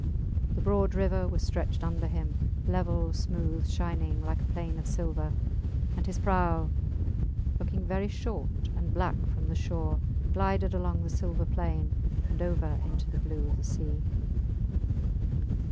The broad river was stretched under him level, smooth, shining, like a plain of silver; and his prau, looking very short and black from the shore, glided along the silver plain and over into the blue of the sea.